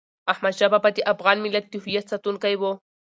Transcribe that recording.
احمد شاه بابا د افغان ملت د هویت ساتونکی و.